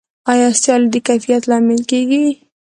آیا سیالي د کیفیت لامل کیږي؟